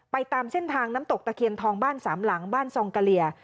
ตามเส้นทางน้ำตกตะเคียนทองบ้านสามหลังบ้านซองกะเหลี่ย